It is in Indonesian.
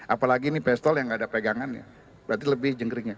apalagi ini pistol yang nggak ada pegangan ya berarti lebih jengkringnya